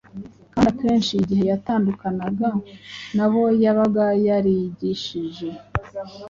Kandi akenshi igihe yatandukanaga n’abo yabaga yarigishije